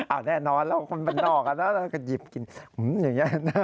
อ้าวแน่นอนเราคนบรรนอกนะเราก็หยิบกินอย่างนี้